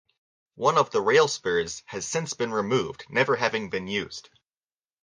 One of the rail spurs has since been removed, never having been used.